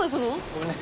ごめんね。